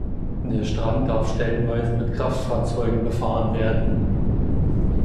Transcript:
Der Strand darf stellenweise mit Kraftfahrzeugen befahren werden.